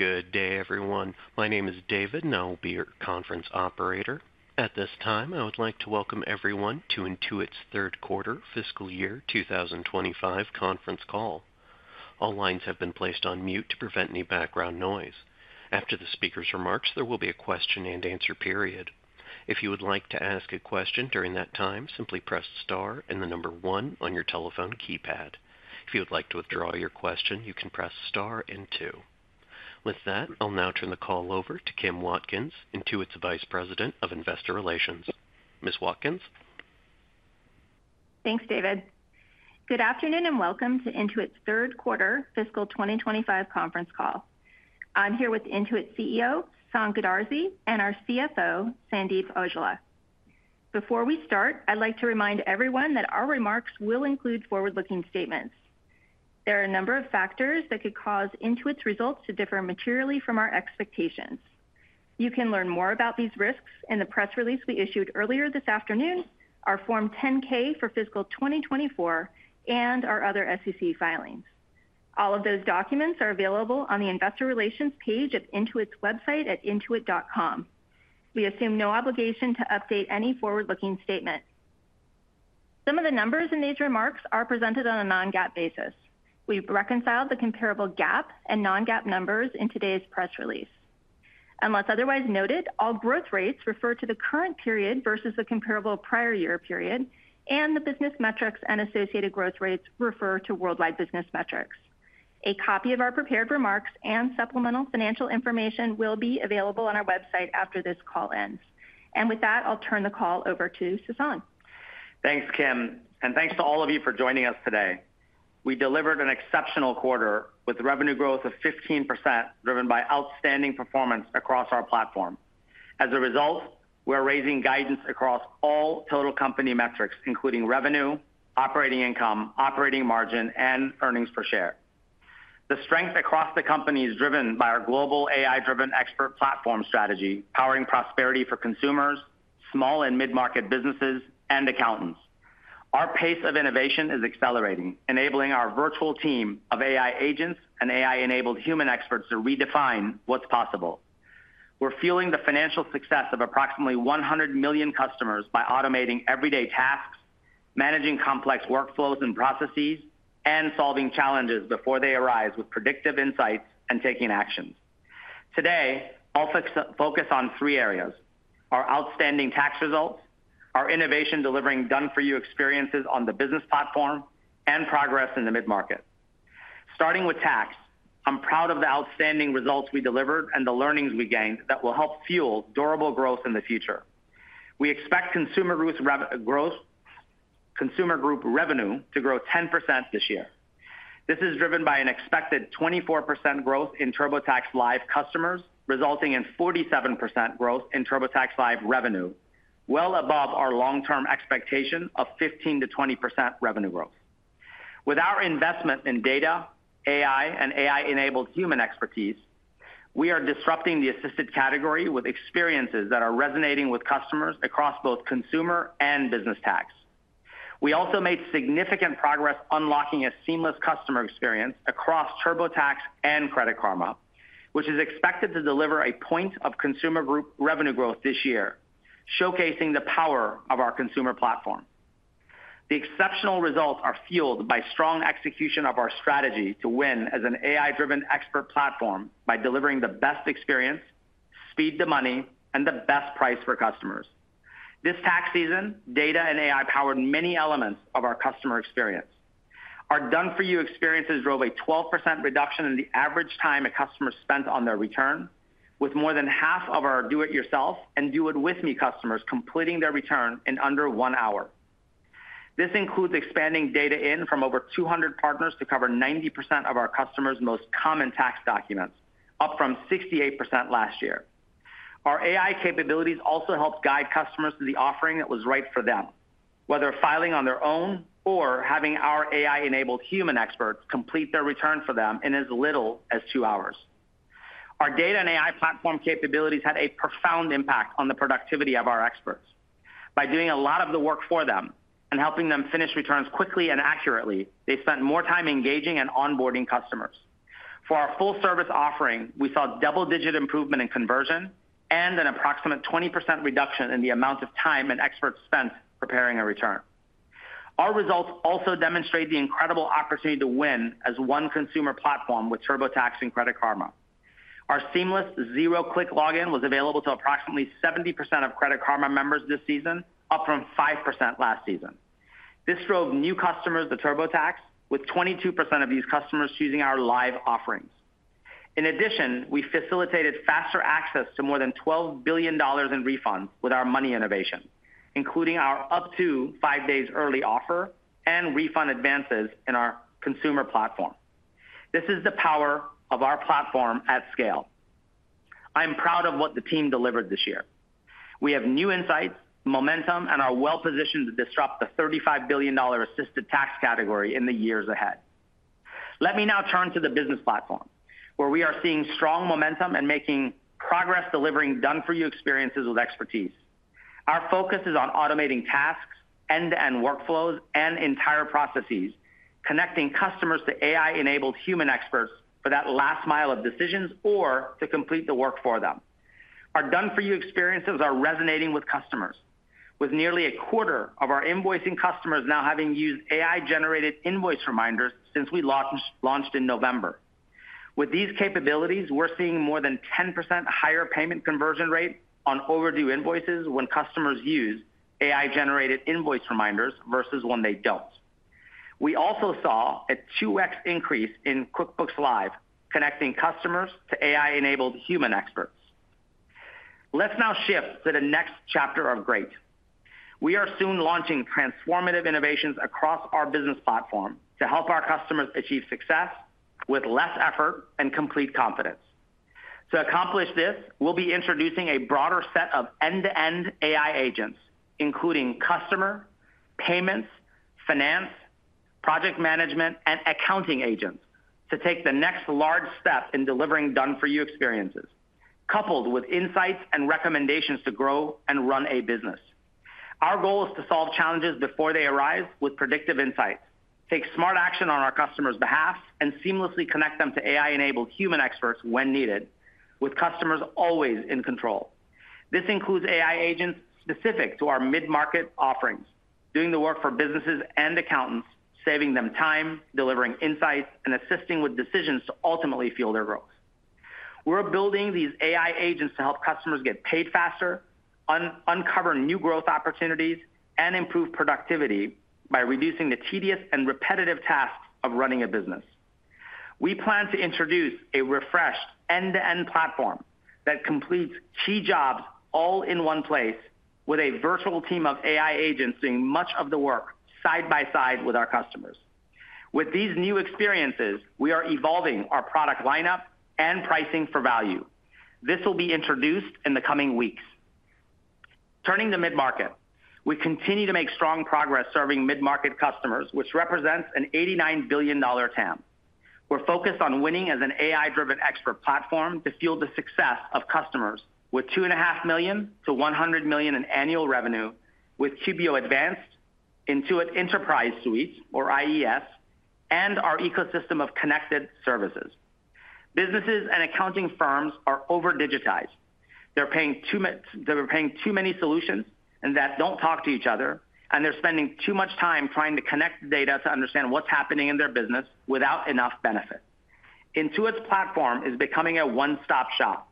Good day, everyone. My name is David, and I will be your conference operator. At this time, I would like to welcome everyone to Intuit's third quarter, fiscal year 2025, conference call. All lines have been placed on mute to prevent any background noise. After the speaker's remarks, there will be a question-and-answer period. If you would like to ask a question during that time, simply press star and the number one on your telephone keypad. If you would like to withdraw your question, you can press star and two. With that, I'll now turn the call over to Kim Watkins, Intuit's Vice President of Investor Relations. Ms. Watkins. Thanks, David. Good afternoon and welcome to Intuit's third quarter, fiscal 2025, conference call. I'm here with Intuit CEO, Sasan Goodarzi, and our CFO, Sandeep Aujla. Before we start, I'd like to remind everyone that our remarks will include forward-looking statements. There are a number of factors that could cause Intuit's results to differ materially from our expectations. You can learn more about these risks in the press release we issued earlier this afternoon, our Form 10-K for fiscal 2024, and our other SEC filings. All of those documents are available on the Investor Relations page of Intuit's website at intuit.com. We assume no obligation to update any forward-looking statement. Some of the numbers in these remarks are presented on a non-GAAP basis. We've reconciled the comparable GAAP and non-GAAP numbers in today's press release. Unless otherwise noted, all growth rates refer to the current period versus the comparable prior year period, and the business metrics and associated growth rates refer to worldwide business metrics. A copy of our prepared remarks and supplemental financial information will be available on our website after this call ends. I'll turn the call over to Sasan. Thanks, Kim, and thanks to all of you for joining us today. We delivered an exceptional quarter with revenue growth of 15% driven by outstanding performance across our platform. As a result, we're raising guidance across all total company metrics, including revenue, operating income, operating margin, and earnings per share. The strength across the company is driven by our global AI-driven expert platform strategy powering prosperity for consumers, small and mid-market businesses, and accountants. Our pace of innovation is accelerating, enabling our virtual team of AI agents and AI-enabled human experts to redefine what's possible. We're fueling the financial success of approximately 100 million customers by automating everyday tasks, managing complex workflows and processes, and solving challenges before they arise with predictive insights and taking actions. Today, I'll focus on three areas: our outstanding tax results, our innovation-delivering done-for-you experiences on the business platform, and progress in the mid-market. Starting with tax, I'm proud of the outstanding results we delivered and the learnings we gained that will help fuel durable growth in the future. We expect consumer group revenue to grow 10% this year. This is driven by an expected 24% growth in TurboTax Live customers, resulting in 47% growth in TurboTax Live revenue, well above our long-term expectation of 15%-20% revenue growth. With our investment in data, AI, and AI-enabled human expertise, we are disrupting the assisted category with experiences that are resonating with customers across both consumer and business tax. We also made significant progress unlocking a seamless customer experience across TurboTax and Credit Karma, which is expected to deliver a point of consumer group revenue growth this year, showcasing the power of our consumer platform. The exceptional results are fueled by strong execution of our strategy to win as an AI-driven expert platform by delivering the best experience, speed to money, and the best price for customers. This tax season, data and AI powered many elements of our customer experience. Our done-for-you experiences drove a 12% reduction in the average time a customer spent on their return, with more than half of our do-it-yourself and do-it-with-me customers completing their return in under one hour. This includes expanding data in from over 200 partners to cover 90% of our customers' most common tax documents, up from 68% last year. Our AI capabilities also helped guide customers to the offering that was right for them, whether filing on their own or having our AI-enabled human experts complete their return for them in as little as two hours. Our data and AI platform capabilities had a profound impact on the productivity of our experts. By doing a lot of the work for them and helping them finish returns quickly and accurately, they spent more time engaging and onboarding customers. For our full-service offering, we saw double-digit improvement in conversion and an approximate 20% reduction in the amount of time an expert spent preparing a return. Our results also demonstrate the incredible opportunity to win as one consumer platform with TurboTax and Credit Karma. Our seamless zero-click login was available to approximately 70% of Credit Karma members this season, up from 5% last season. This drove new customers to TurboTax, with 22% of these customers choosing our live offerings. In addition, we facilitated faster access to more than $12 billion in refunds with our money innovation, including our up to five days early offer and refund advances in our consumer platform. This is the power of our platform at scale. I'm proud of what the team delivered this year. We have new insights, momentum, and are well-positioned to disrupt the $35 billion assisted tax category in the years ahead. Let me now turn to the business platform, where we are seeing strong momentum and making progress delivering done-for-you experiences with expertise. Our focus is on automating tasks, end-to-end workflows, and entire processes, connecting customers to AI-enabled human experts for that last mile of decisions or to complete the work for them. Our done-for-you experiences are resonating with customers, with nearly a quarter of our invoicing customers now having used AI-generated invoice reminders since we launched in November. With these capabilities, we're seeing more than 10% higher payment conversion rate on overdue invoices when customers use AI-generated invoice reminders versus when they don't. We also saw a 2x increase in QuickBooks Live connecting customers to AI-enabled human experts. Let's now shift to the next chapter of GREAT. We are soon launching transformative innovations across our business platform to help our customers achieve success with less effort and complete confidence. To accomplish this, we'll be introducing a broader set of end-to-end AI agents, including customer, payments, finance, project management, and accounting agents, to take the next large step in delivering done-for-you experiences, coupled with insights and recommendations to grow and run a business. Our goal is to solve challenges before they arise with predictive insights, take smart action on our customers' behalf, and seamlessly connect them to AI-enabled human experts when needed, with customers always in control. This includes AI agents specific to our mid-market offerings, doing the work for businesses and accountants, saving them time, delivering insights, and assisting with decisions to ultimately fuel their growth. We're building these AI agents to help customers get paid faster, uncover new growth opportunities, and improve productivity by reducing the tedious and repetitive tasks of running a business. We plan to introduce a refreshed end-to-end platform that completes key jobs all in one place with a virtual team of AI agents doing much of the work side by side with our customers. With these new experiences, we are evolving our product lineup and pricing for value. This will be introduced in the coming weeks. Turning to mid-market, we continue to make strong progress serving mid-market customers, which represents an $89 billion TAM. We're focused on winning as an AI-driven expert platform to fuel the success of customers with $2.5 million-$100 million in annual revenue with QBO Advanced, Intuit Enterprise Suite, or IES, and our ecosystem of connected services. Businesses and accounting firms are over-digitized. They're paying too many solutions that don't talk to each other, and they're spending too much time trying to connect data to understand what's happening in their business without enough benefit. Intuit's platform is becoming a one-stop shop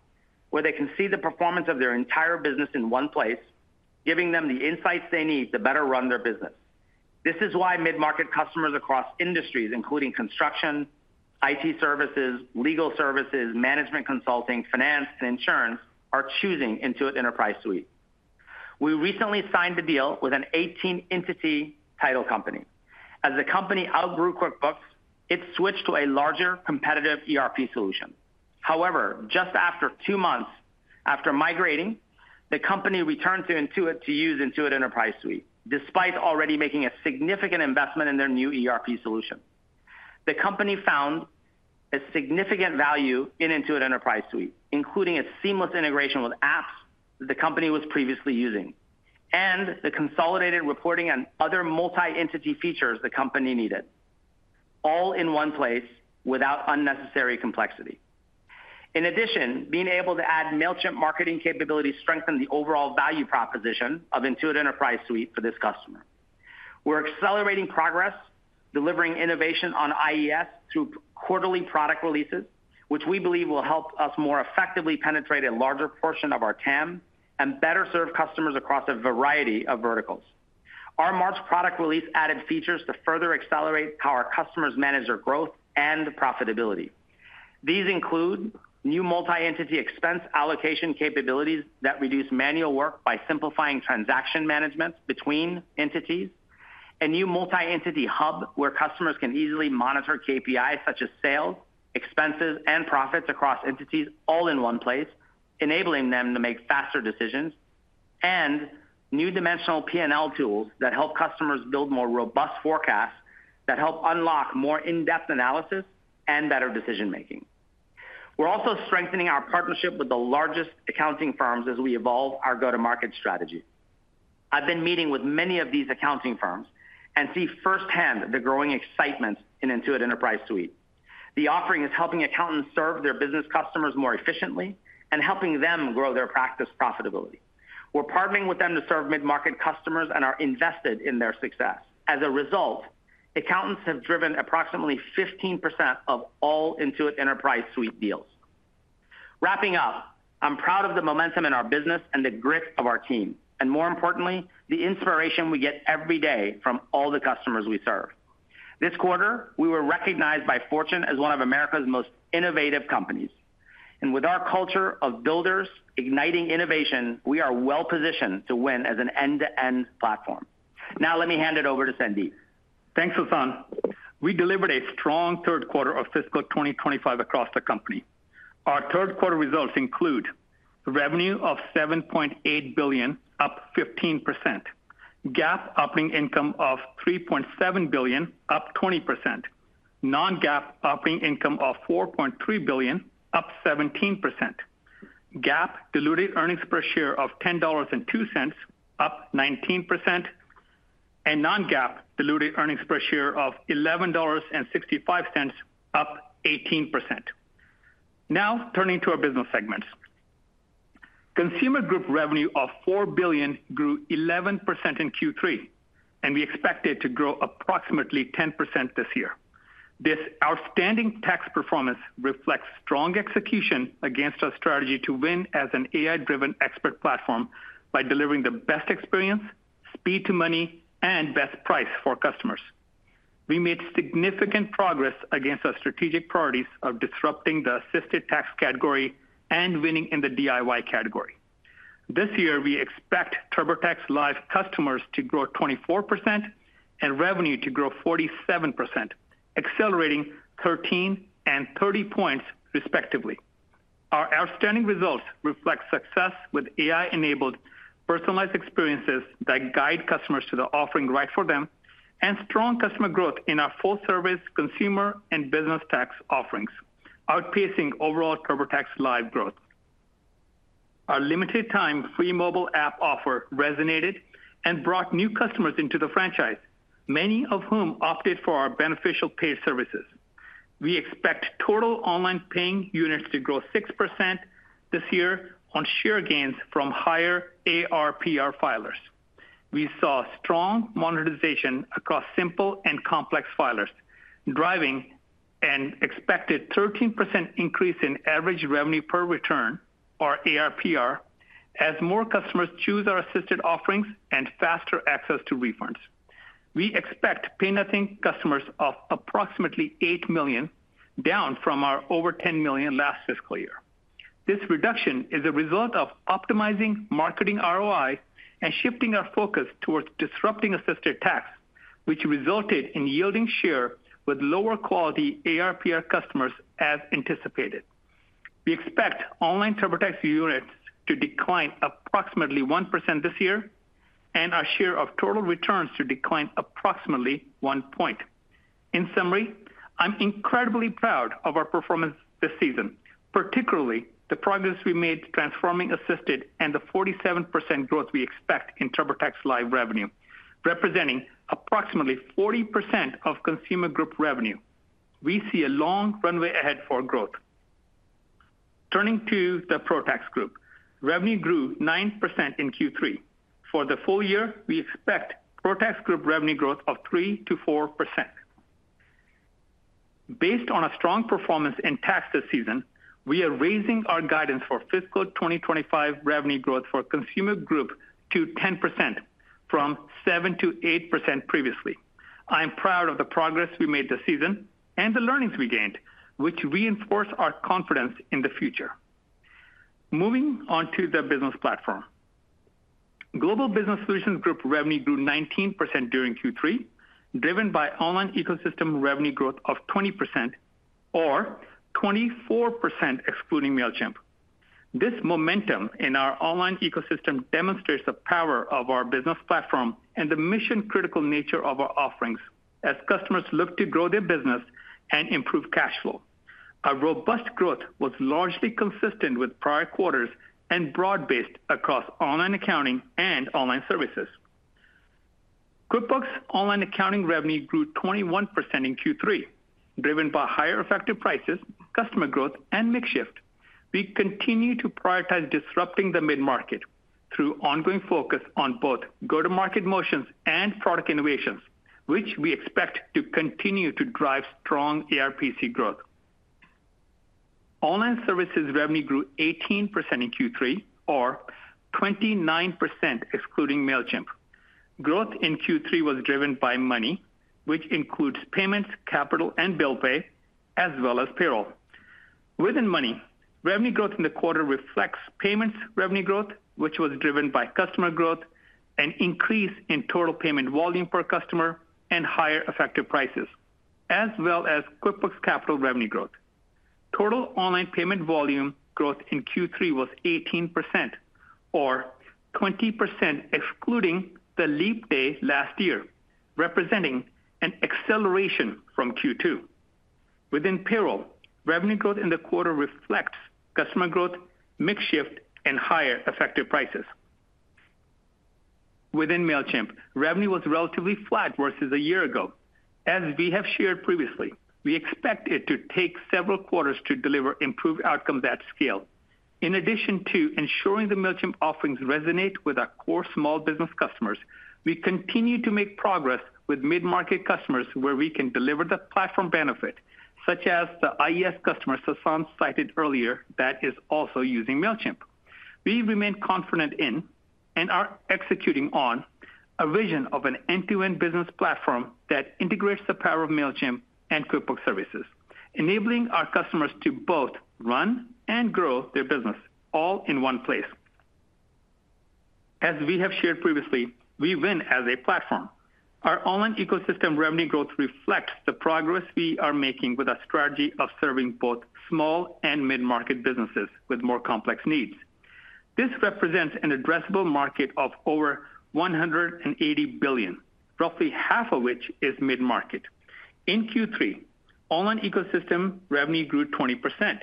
where they can see the performance of their entire business in one place, giving them the insights they need to better run their business. This is why mid-market customers across industries, including construction, IT services, legal services, management consulting, finance, and insurance, are choosing Intuit Enterprise Suite. We recently signed a deal with an 18-entity title company. As the company outgrew QuickBooks, it switched to a larger, competitive ERP solution. However, just after two months after migrating, the company returned to Intuit to use Intuit Enterprise Suite, despite already making a significant investment in their new ERP solution. The company found a significant value in Intuit Enterprise Suite, including a seamless integration with apps that the company was previously using and the consolidated reporting and other multi-entity features the company needed, all in one place without unnecessary complexity. In addition, being able to add Mailchimp marketing capabilities strengthened the overall value proposition of Intuit Enterprise Suite for this customer. We're accelerating progress, delivering innovation on IES through quarterly product releases, which we believe will help us more effectively penetrate a larger portion of our TAM and better serve customers across a variety of verticals. Our March product release added features to further accelerate how our customers manage their growth and profitability. These include new multi-entity expense allocation capabilities that reduce manual work by simplifying transaction management between entities, a new multi-entity hub where customers can easily monitor KPIs such as sales, expenses, and profits across entities all in one place, enabling them to make faster decisions, and new dimensional P&L tools that help customers build more robust forecasts that help unlock more in-depth analysis and better decision-making. We are also strengthening our partnership with the largest accounting firms as we evolve our go-to-market strategy. I have been meeting with many of these accounting firms and see firsthand the growing excitement in Intuit Enterprise Suite. The offering is helping accountants serve their business customers more efficiently and helping them grow their practice profitability. We are partnering with them to serve mid-market customers and are invested in their success. As a result, accountants have driven approximately 15% of all Intuit Enterprise Suite deals. Wrapping up, I'm proud of the momentum in our business and the grit of our team, and more importantly, the inspiration we get every day from all the customers we serve. This quarter, we were recognized by Fortune as one of America's most innovative companies. With our culture of builders, igniting innovation, we are well-positioned to win as an end-to-end platform. Now, let me hand it over to Sandeep. Thanks, Sasan. We delivered a strong third quarter of fiscal 2025 across the company. Our third quarter results include revenue of $7.8 billion, up 15%, GAAP operating income of $3.7 billion, up 20%, non-GAAP operating income of $4.3 billion, up 17%, GAAP diluted earnings per share of $10.02, up 19%, and non-GAAP diluted earnings per share of $11.65, up 18%. Now, turning to our business segments, consumer group revenue of $4 billion grew 11% in Q3, and we expect it to grow approximately 10% this year. This outstanding tax performance reflects strong execution against our strategy to win as an AI-driven expert platform by delivering the best experience, speed to money, and best price for customers. We made significant progress against our strategic priorities of disrupting the assisted tax category and winning in the DIY category. This year, we expect TurboTax Live customers to grow 24% and revenue to grow 47%, accelerating 13 and 30 percentage points, respectively. Our outstanding results reflect success with AI-enabled personalized experiences that guide customers to the offering right for them and strong customer growth in our full-service consumer and business tax offerings, outpacing overall TurboTax Live growth. Our limited-time free mobile app offer resonated and brought new customers into the franchise, many of whom opted for our beneficial paid services. We expect total online paying units to grow 6% this year on share gains from higher AR/PR filers. We saw strong monetization across simple and complex filers, driving an expected 13% increase in average revenue per return, or AR/PR, as more customers choose our assisted offerings and faster access to refunds. We expect pay nothing customers of approximately 8 million, down from our over 10 million last fiscal year. This reduction is a result of optimizing marketing ROI and shifting our focus towards disrupting assisted tax, which resulted in yielding share with lower quality AR/PR customers as anticipated. We expect online TurboTax units to decline approximately 1% this year and our share of total returns to decline approximately 1 point. In summary, I'm incredibly proud of our performance this season, particularly the progress we made transforming assisted and the 47% growth we expect in TurboTax Live revenue, representing approximately 40% of consumer group revenue. We see a long runway ahead for growth. Turning to the ProTax Group, revenue grew 9% in Q3. For the full year, we expect ProTax Group revenue growth of 3%-4%. Based on our strong performance in tax this season, we are raising our guidance for fiscal 2025 revenue growth for consumer group to 10% from 7%-8% previously. I'm proud of the progress we made this season and the learnings we gained, which reinforce our confidence in the future. Moving on to the business platform, Global Business Solutions Group revenue grew 19% during Q3, driven by online ecosystem revenue growth of 20%, or 24% excluding Mailchimp. This momentum in our online ecosystem demonstrates the power of our business platform and the mission-critical nature of our offerings as customers look to grow their business and improve cash flow. Our robust growth was largely consistent with prior quarters and broad-based across online accounting and online services. QuickBooks Online accounting revenue grew 21% in Q3, driven by higher effective prices, customer growth, and makeshift. We continue to prioritize disrupting the mid-market through ongoing focus on both go-to-market motions and product innovations, which we expect to continue to drive strong AR/PC growth. Online services revenue grew 18% in Q3, or 29% excluding Mailchimp. Growth in Q3 was driven by money, which includes payments, capital, and bill pay, as well as payroll. Within money, revenue growth in the quarter reflects payments revenue growth, which was driven by customer growth, an increase in total payment volume per customer, and higher effective prices, as well as QuickBooks Capital revenue growth. Total online payment volume growth in Q3 was 18%, or 20% excluding the leap day last year, representing an acceleration from Q2. Within payroll, revenue growth in the quarter reflects customer growth, makeshift, and higher effective prices. Within Mailchimp, revenue was relatively flat versus a year ago. As we have shared previously, we expect it to take several quarters to deliver improved outcomes at scale. In addition to ensuring the Mailchimp offerings resonate with our core small business customers, we continue to make progress with mid-market customers where we can deliver the platform benefit, such as the IES customer Sasan cited earlier that is also using Mailchimp. We remain confident in and are executing on a vision of an end-to-end business platform that integrates the power of Mailchimp and QuickBooks services, enabling our customers to both run and grow their business all in one place. As we have shared previously, we win as a platform. Our online ecosystem revenue growth reflects the progress we are making with our strategy of serving both small and mid-market businesses with more complex needs. This represents an addressable market of over $180 billion, roughly half of which is mid-market. In Q3, online ecosystem revenue grew 20%,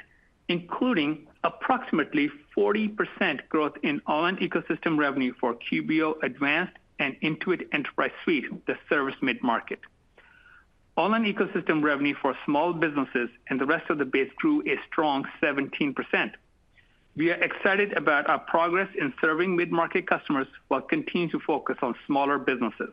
including approximately 40% growth in online ecosystem revenue for QBO Advanced and Intuit Enterprise Suite, the service mid-market. Online ecosystem revenue for small businesses and the rest of the base grew a strong 17%. We are excited about our progress in serving mid-market customers while continuing to focus on smaller businesses.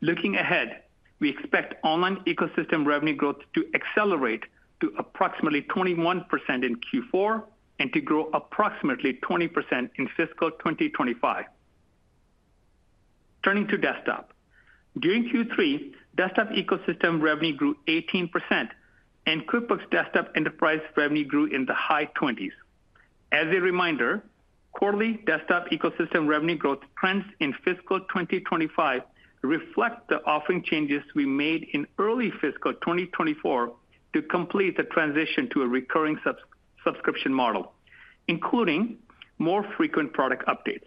Looking ahead, we expect online ecosystem revenue growth to accelerate to approximately 21% in Q4 and to grow approximately 20% in fiscal 2025. Turning to desktop, during Q3, desktop ecosystem revenue grew 18%, and QuickBooks Desktop Enterprise revenue grew in the high 20s. As a reminder, quarterly desktop ecosystem revenue growth trends in fiscal 2025 reflect the offering changes we made in early fiscal 2024 to complete the transition to a recurring subscription model, including more frequent product updates.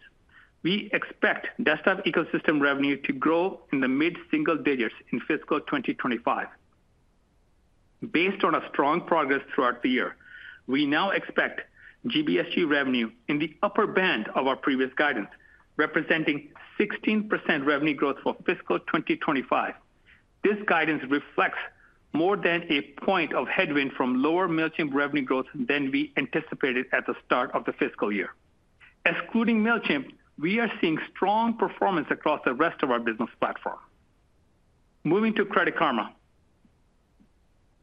We expect desktop ecosystem revenue to grow in the mid-single digits in fiscal 2025. Based on our strong progress throughout the year, we now expect GBSG revenue in the upper band of our previous guidance, representing 16% revenue growth for fiscal 2025. This guidance reflects more than a point of headwind from lower Mailchimp revenue growth than we anticipated at the start of the fiscal year. Excluding Mailchimp, we are seeing strong performance across the rest of our business platform. Moving to Credit Karma,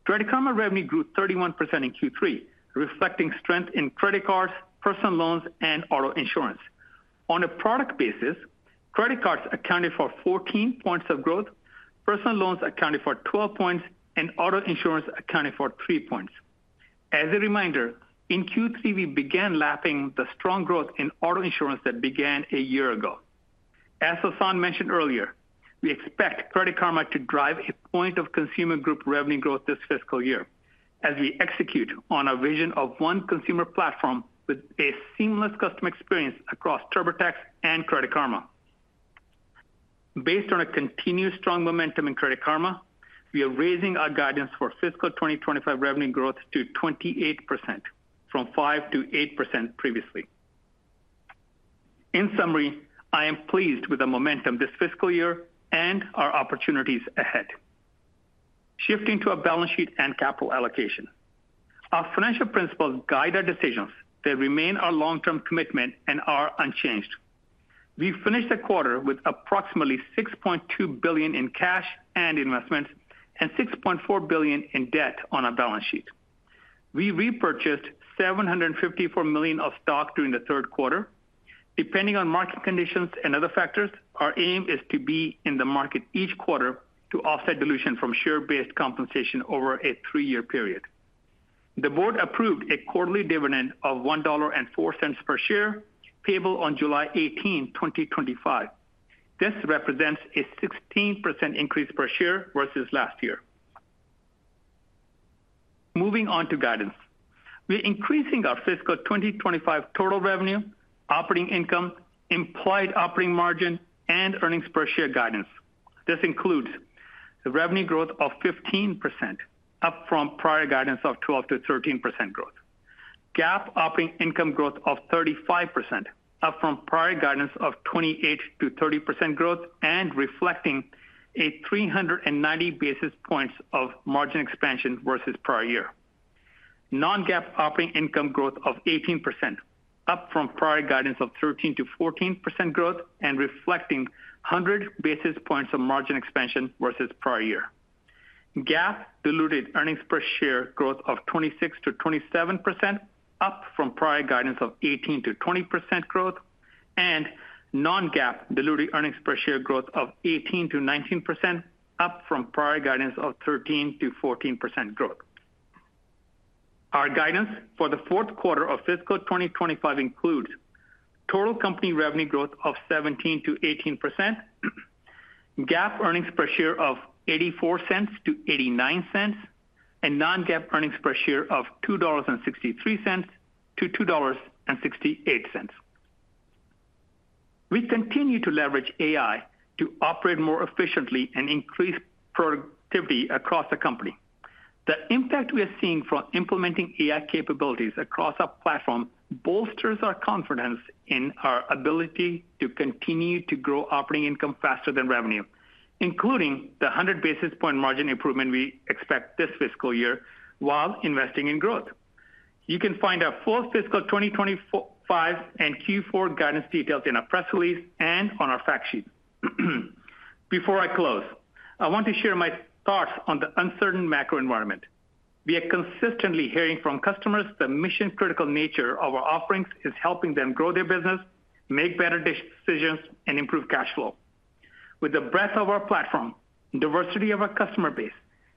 Credit Karma revenue grew 31% in Q3, reflecting strength in credit cards, personal loans, and auto insurance. On a product basis, credit cards accounted for 14 points of growth, personal loans accounted for 12 points, and auto insurance accounted for 3 points. As a reminder, in Q3, we began lapping the strong growth in auto insurance that began a year ago. As Sasan mentioned earlier, we expect Credit Karma to drive a point of consumer group revenue growth this fiscal year as we execute on our vision of one consumer platform with a seamless customer experience across TurboTax and Credit Karma. Based on a continued strong momentum in Credit Karma, we are raising our guidance for fiscal 2025 revenue growth to 28%, from 5%-8% previously. In summary, I am pleased with the momentum this fiscal year and our opportunities ahead. Shifting to our balance sheet and capital allocation, our financial principles guide our decisions. They remain our long-term commitment and are unchanged. We finished the quarter with approximately $6.2 billion in cash and investments and $6.4 billion in debt on our balance sheet. We repurchased $754 million of stock during the third quarter. Depending on market conditions and other factors, our aim is to be in the market each quarter to offset dilution from share-based compensation over a three-year period. The board approved a quarterly dividend of $1.04 per share payable on July 18, 2025. This represents a 16% increase per share versus last year. Moving on to guidance, we are increasing our fiscal 2025 total revenue, operating income, implied operating margin, and earnings per share guidance. This includes the revenue growth of 15%, up from prior guidance of 12%-13% growth. GAAP operating income growth of 35%, up from prior guidance of 28%-30% growth, and reflecting a 390 basis points of margin expansion versus prior year. Non-GAAP operating income growth of 18%, up from prior guidance of 13%-14% growth, and reflecting 100 basis points of margin expansion versus prior year. GAAP diluted earnings per share growth of 26%-27%, up from prior guidance of 18%-20% growth, and non-GAAP diluted earnings per share growth of 18%-19%, up from prior guidance of 13%-14% growth. Our guidance for the fourth quarter of fiscal 2025 includes total company revenue growth of 17%-18%, GAAP earnings per share of $0.84-$0.89, and non-GAAP earnings per share of $2.63-$2.68. We continue to leverage AI to operate more efficiently and increase productivity across the company. The impact we are seeing from implementing AI capabilities across our platform bolsters our confidence in our ability to continue to grow operating income faster than revenue, including the 100 basis point margin improvement we expect this fiscal year while investing in growth. You can find our full fiscal 2025 and Q4 guidance details in our press release and on our fact sheet. Before I close, I want to share my thoughts on the uncertain macro environment. We are consistently hearing from customers the mission-critical nature of our offerings is helping them grow their business, make better decisions, and improve cash flow. With the breadth of our platform, diversity of our customer base,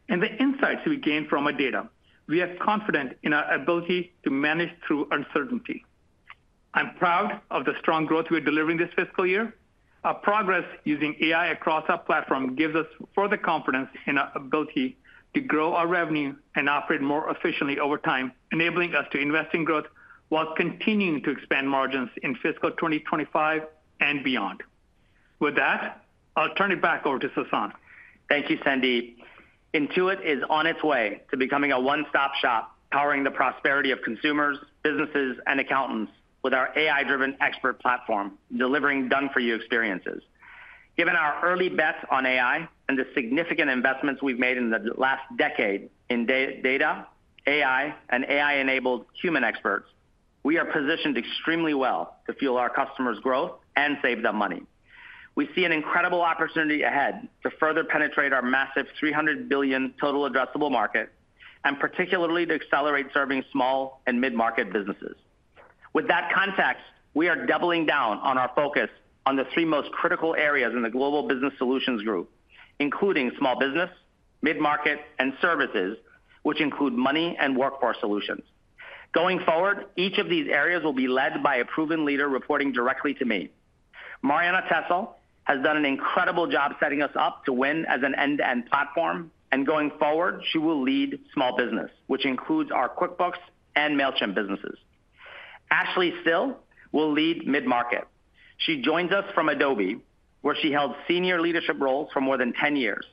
and the insights we gain from our data, we are confident in our ability to manage through uncertainty. I'm proud of the strong growth we are delivering this fiscal year. Our progress using AI across our platform gives us further confidence in our ability to grow our revenue and operate more efficiently over time, enabling us to invest in growth while continuing to expand margins in fiscal 2025 and beyond. With that, I'll turn it back over to Sasan. Thank you, Sandeep. Intuit is on its way to becoming a one-stop shop powering the prosperity of consumers, businesses, and accountants with our AI-driven expert platform, delivering done-for-you experiences. Given our early bets on AI and the significant investments we have made in the last decade in data, AI, and AI-enabled human experts, we are positioned extremely well to fuel our customers' growth and save them money. We see an incredible opportunity ahead to further penetrate our massive $300 billion total addressable market, and particularly to accelerate serving small and mid-market businesses. With that context, we are doubling down on our focus on the three most critical areas in the Global Business Solutions Group, including small business, mid-market, and services, which include money and workforce solutions. Going forward, each of these areas will be led by a proven leader reporting directly to me. Marianna Tessel has done an incredible job setting us up to win as an end-to-end platform, and going forward, she will lead small business, which includes our QuickBooks and Mailchimp businesses. Ashley Still will lead mid-market. She joins us from Adobe, where she held senior leadership roles for more than 10 years.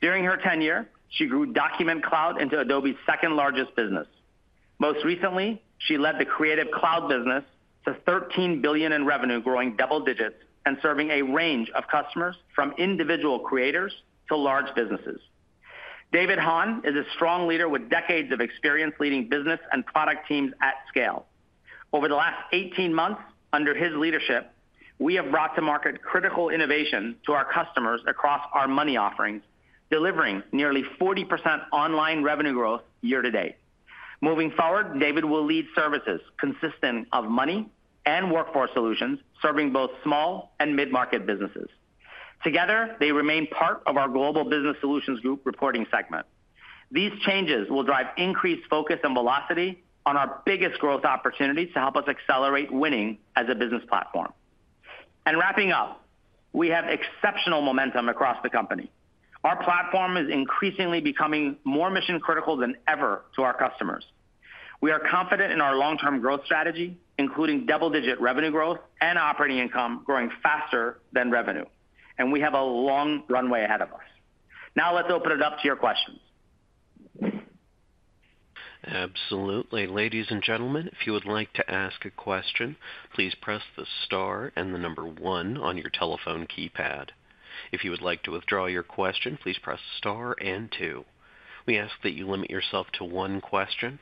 During her tenure, she grew Document Cloud into Adobe's second-largest business. Most recently, she led the creative cloud business to $13 billion in revenue, growing double digits and serving a range of customers from individual creators to large businesses. David Hahn is a strong leader with decades of experience leading business and product teams at scale. Over the last 18 months, under his leadership, we have brought to market critical innovation to our customers across our money offerings, delivering nearly 40% online revenue growth year to date. Moving forward, David will lead services consisting of money and workforce solutions serving both small and mid-market businesses. Together, they remain part of our Global Business Solutions Group reporting segment. These changes will drive increased focus and velocity on our biggest growth opportunities to help us accelerate winning as a business platform. Wrapping up, we have exceptional momentum across the company. Our platform is increasingly becoming more mission-critical than ever to our customers. We are confident in our long-term growth strategy, including double-digit revenue growth and operating income growing faster than revenue, and we have a long runway ahead of us. Now, let's open it up to your questions. Absolutely. Ladies and gentlemen, if you would like to ask a question, please press the star and the number one on your telephone keypad. If you would like to withdraw your question, please press star and two. We ask that you limit yourself to one question,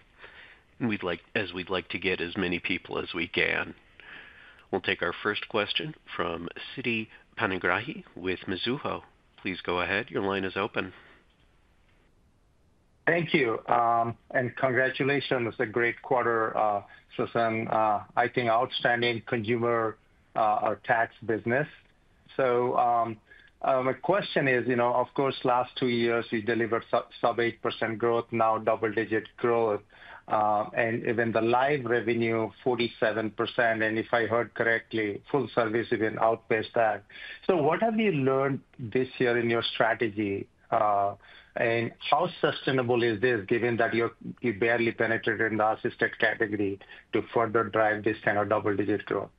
as we'd like to get as many people as we can. We'll take our first question from Siti Panigrahi with Mizuho. Please go ahead. Your line is open. Thank you, and congratulations. It's a great quarter, Sasan. I think outstanding consumer or tax business. My question is, of course, last two years we delivered sub-8% growth, now double-digit growth, and even the live revenue 47%, and if I heard correctly, full service even outpaced that. What have you learned this year in your strategy, and how sustainable is this given that you barely penetrated in the assisted category to further drive this kind of double-digit growth?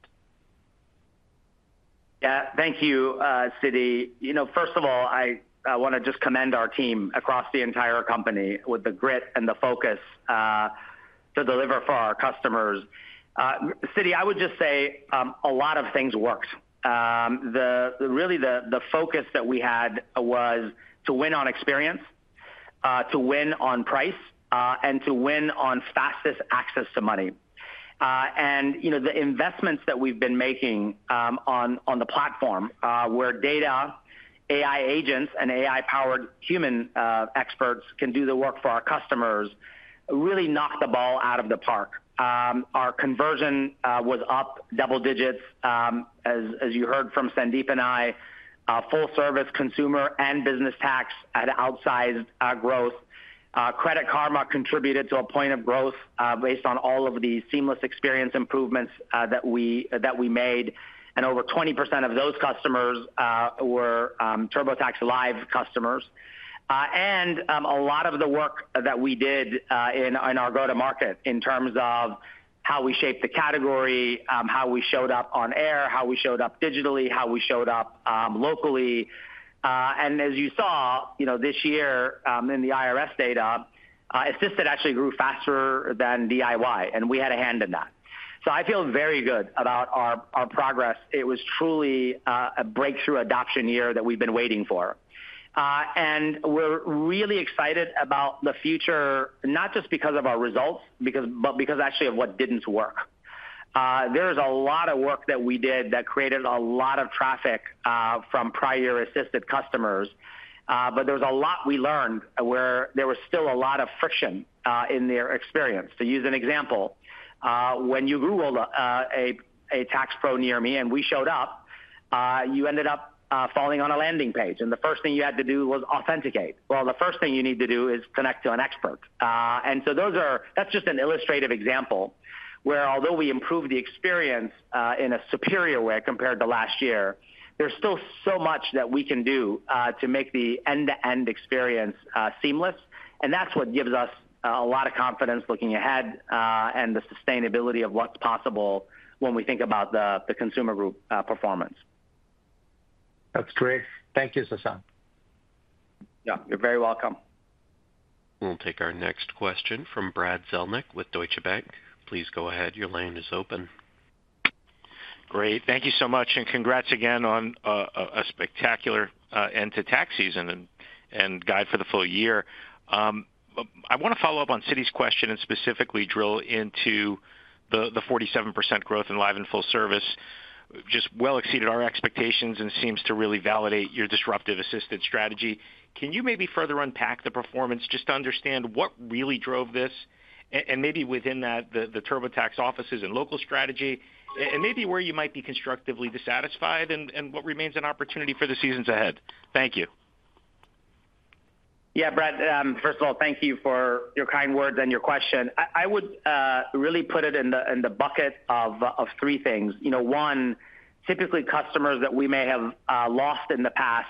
Yeah, thank you, Siti. First of all, I want to just commend our team across the entire company with the grit and the focus to deliver for our customers. Siti, I would just say a lot of things worked. Really, the focus that we had was to win on experience, to win on price, and to win on fastest access to money. The investments that we've been making on the platform where data, AI agents, and AI-powered human experts can do the work for our customers really knocked the ball out of the park. Our conversion was up double digits, as you heard from Sandeep and I. Full-service consumer and business tax had outsized growth. Credit Karma contributed to a point of growth based on all of the seamless experience improvements that we made, and over 20% of those customers were TurboTax Live customers. A lot of the work that we did in our go-to-market in terms of how we shaped the category, how we showed up on air, how we showed up digitally, how we showed up locally. As you saw this year in the IRS data, assisted actually grew faster than DIY, and we had a hand in that. I feel very good about our progress. It was truly a breakthrough adoption year that we've been waiting for. We're really excited about the future, not just because of our results, but because actually of what did not work. There is a lot of work that we did that created a lot of traffic from prior assisted customers, but there was a lot we learned where there was still a lot of friction in their experience. To use an example, when you Google a tax pro near me and we showed up, you ended up falling on a landing page, and the first thing you had to do was authenticate. The first thing you need to do is connect to an expert. That is just an illustrative example where, although we improved the experience in a superior way compared to last year, there is still so much that we can do to make the end-to-end experience seamless, and that is what gives us a lot of confidence looking ahead and the sustainability of what is possible when we think about the consumer group performance. That is great. Thank you, Sasan. Yeah, you are very welcome. We will take our next question from Brad Zelnick with Deutsche Bank. Please go ahead. Your line is open. Great. Thank you so much, and congrats again on a spectacular end to tax season and guide for the full year. I want to follow up on Siti's question and specifically drill into the 47% growth in live and full service. Just well exceeded our expectations and seems to really validate your disruptive assisted strategy. Can you maybe further unpack the performance just to understand what really drove this? And maybe within that, the TurboTax offices and local strategy, and maybe where you might be constructively dissatisfied and what remains an opportunity for the seasons ahead. Thank you. Yeah, Brad, first of all, thank you for your kind words and your question. I would really put it in the bucket of three things. One, typically customers that we may have lost in the past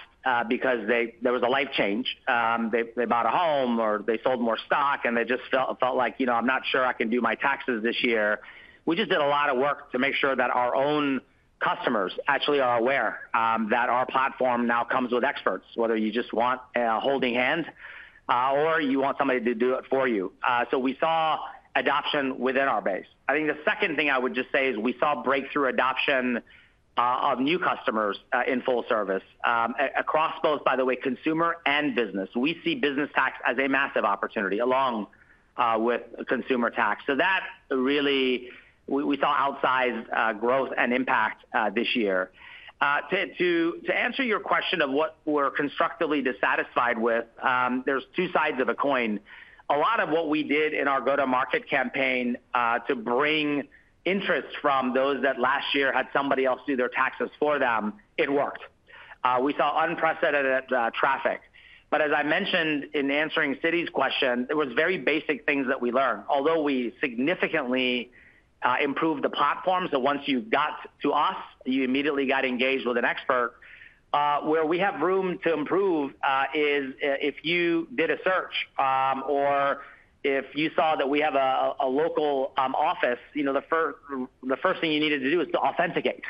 because there was a life change. They bought a home or they sold more stock, and they just felt like, "I'm not sure I can do my taxes this year." We just did a lot of work to make sure that our own customers actually are aware that our platform now comes with experts, whether you just want a holding hand or you want somebody to do it for you. We saw adoption within our base. I think the second thing I would just say is we saw breakthrough adoption of new customers in full service. Across both, by the way, consumer and business, we see business tax as a massive opportunity along with consumer tax. That really, we saw outsized growth and impact this year. To answer your question of what we're constructively dissatisfied with, there's two sides of a coin. A lot of what we did in our go-to-market campaign to bring interest from those that last year had somebody else do their taxes for them, it worked. We saw unprecedented traffic. As I mentioned in answering Siti's question, there were very basic things that we learned, although we significantly improved the platform. Once you got to us, you immediately got engaged with an expert. Where we have room to improve is if you did a search or if you saw that we have a local office, the first thing you needed to do is to authenticate.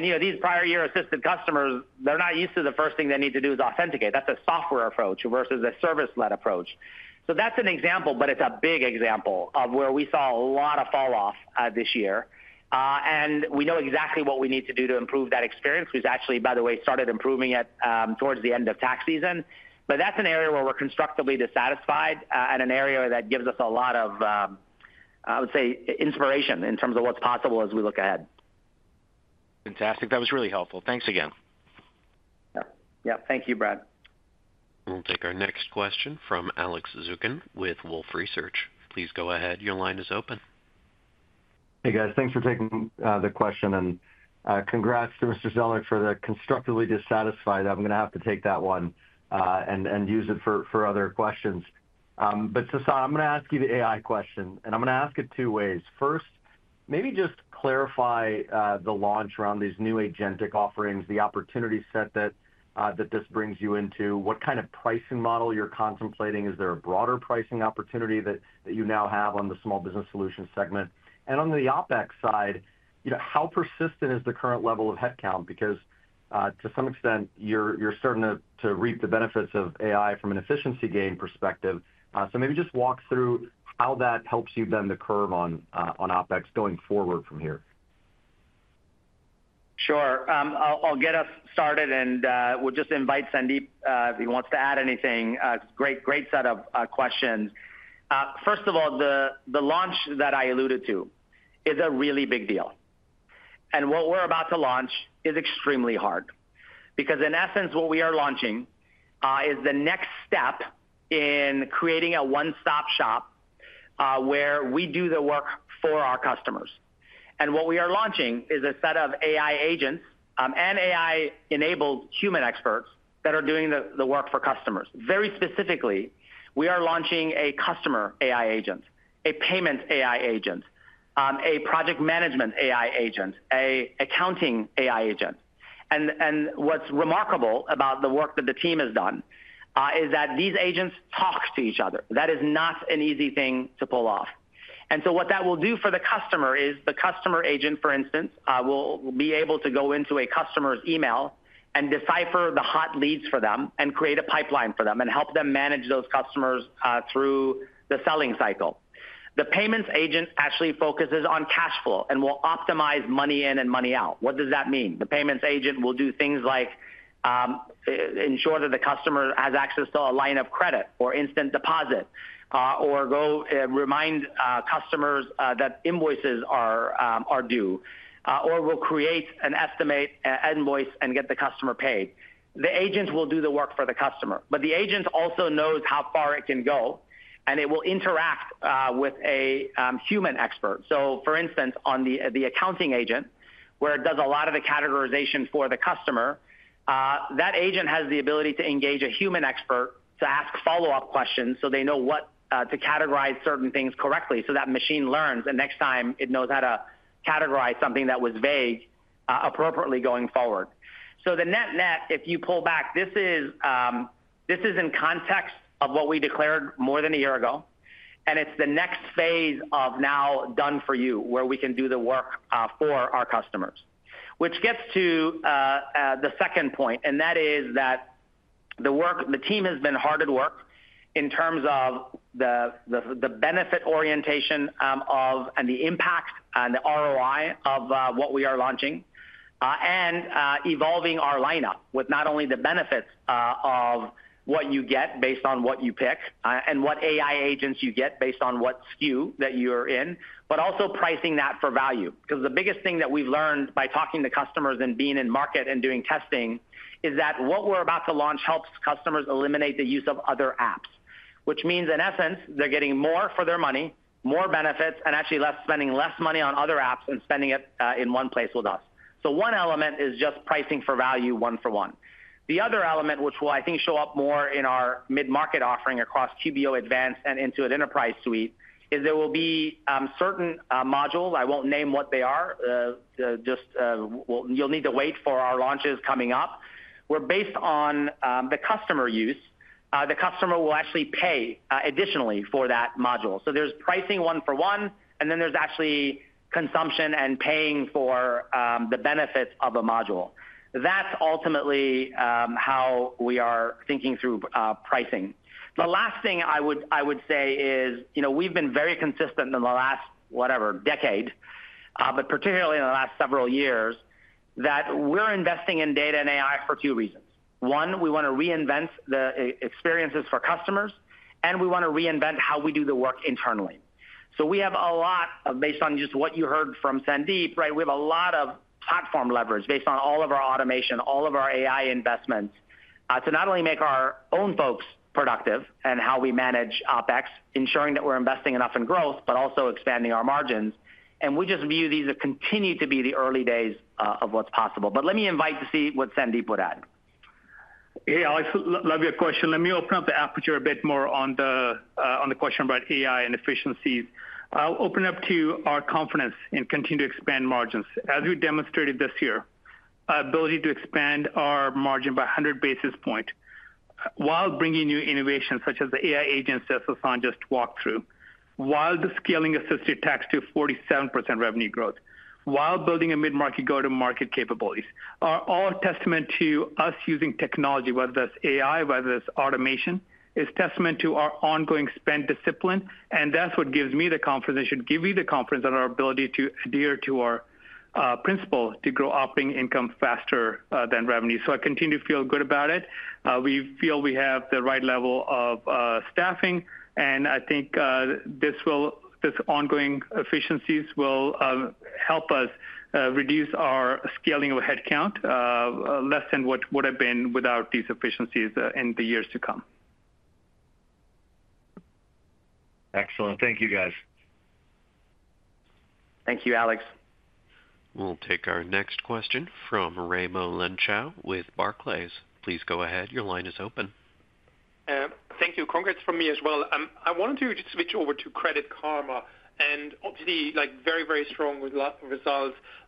These prior year assisted customers, they're not used to the first thing they need to do is authenticate. That's a software approach versus a service-led approach. That's an example, but it's a big example of where we saw a lot of falloff this year. We know exactly what we need to do to improve that experience. We've actually, by the way, started improving it towards the end of tax season. That is an area where we're constructively dissatisfied and an area that gives us a lot of, I would say, inspiration in terms of what's possible as we look ahead. Fantastic. That was really helpful. Thanks again. Yeah, thank you, Brad. We'll take our next question from Alex Zukin with Wolfe Research. Please go ahead. Your line is open. Hey, guys. Thanks for taking the question, and congrats to Mr. Zelnick for the constructively dissatisfied. I'm going to have to take that one and use it for other questions. Sasan, I'm going to ask you the AI question, and I'm going to ask it two ways. First, maybe just clarify the launch around these new agentic offerings, the opportunity set that this brings you into. What kind of pricing model you're contemplating? Is there a broader pricing opportunity that you now have on the small business solution segment? On the OpEx side, how persistent is the current level of headcount? Because to some extent, you're starting to reap the benefits of AI from an efficiency gain perspective. Maybe just walk through how that helps you bend the curve on OpEx going forward from here. Sure. I'll get us started, and we'll just invite Sandeep if he wants to add anything. Great set of questions. First of all, the launch that I alluded to is a really big deal. What we are about to launch is extremely hard because, in essence, what we are launching is the next step in creating a one-stop shop where we do the work for our customers. What we are launching is a set of AI agents and AI-enabled human experts that are doing the work for customers. Very specifically, we are launching a customer AI agent, a payments AI agent, a project management AI agent, an accounting AI agent. What is remarkable about the work that the team has done is that these agents talk to each other. That is not an easy thing to pull off. What that will do for the customer is the customer agent, for instance, will be able to go into a customer's email and decipher the hot leads for them and create a pipeline for them and help them manage those customers through the selling cycle. The payments agent actually focuses on cash flow and will optimize money in and money out. What does that mean? The payments agent will do things like ensure that the customer has access to a line of credit or instant deposit or remind customers that invoices are due, or will create an estimate invoice and get the customer paid. The agent will do the work for the customer, but the agent also knows how far it can go, and it will interact with a human expert. For instance, on the accounting agent, where it does a lot of the categorization for the customer, that agent has the ability to engage a human expert to ask follow-up questions so they know what to categorize certain things correctly so that machine learns, and next time it knows how to categorize something that was vague appropriately going forward. The net-net, if you pull back, this is in context of what we declared more than a year ago, and it's the next phase of now done-for-you where we can do the work for our customers, which gets to the second point, and that is that the team has been hard at work in terms of the benefit orientation and the impact and the ROI of what we are launching and evolving our lineup with not only the benefits of what you get based on what you pick and what AI agents you get based on what SKU that you're in, but also pricing that for value. Because the biggest thing that we've learned by talking to customers and being in market and doing testing is that what we're about to launch helps customers eliminate the use of other apps, which means, in essence, they're getting more for their money, more benefits, and actually spending less money on other apps and spending it in one place with us. One element is just pricing for value one for one. The other element, which will, I think, show up more in our mid-market offering across QBO Advanced and Intuit Enterprise Suite, is there will be certain modules. I won't name what they are. You'll need to wait for our launches coming up. We're based on the customer use. The customer will actually pay additionally for that module. There's pricing one for one, and then there's actually consumption and paying for the benefits of a module. That's ultimately how we are thinking through pricing. The last thing I would say is we've been very consistent in the last, whatever, decade, but particularly in the last several years, that we're investing in data and AI for two reasons. One, we want to reinvent the experiences for customers, and we want to reinvent how we do the work internally. We have a lot based on just what you heard from Sandeep, right? We have a lot of platform leverage based on all of our automation, all of our AI investments to not only make our own folks productive and how we manage OpEx, ensuring that we're investing enough in growth, but also expanding our margins. We just view these as continue to be the early days of what's possible. Let me invite to see what Sandeep would add. Yeah, I love your question. Let me open up the aperture a bit more on the question about AI and efficiencies. I'll open up to our confidence in continuing to expand margins. As we demonstrated this year, our ability to expand our margin by 100 basis points while bringing new innovations such as the AI agents that Sasan just walked through, while the scaling-assisted tax to 47% revenue growth, while building a mid-market go-to-market capabilities are all a testament to us using technology, whether that's AI, whether that's automation, is a testament to our ongoing spend discipline. That is what gives me the confidence and should give you the confidence in our ability to adhere to our principle to grow operating income faster than revenue. I continue to feel good about it. We feel we have the right level of staffing, and I think this ongoing efficiencies will help us reduce our scaling of headcount less than what it would have been without these efficiencies in the years to come. Excellent. Thank you, guys. Thank you, Alex. We'll take our next question from Raimo Lenschow with Barclays. Please go ahead. Your line is open. Thank you. Congrats from me as well. I wanted to just switch over to Credit Karma. Obviously, very, very strong results.